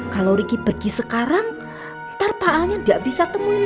kalau ricky pergi sekarang ntar pak alnya gak bisa temuin dia